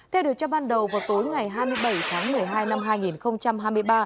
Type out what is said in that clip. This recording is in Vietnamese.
theo điều tra ban đầu vào tối ngày hai mươi bảy tháng một mươi hai năm hai nghìn hai mươi ba